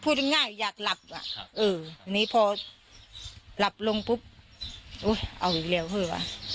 พูดง่ายอยากหลับนี้พอหลับลงมันเอาอีกแล้ว